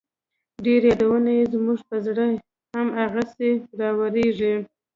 ډېر يادونه يې زما په زړه هم هغسې راوريږي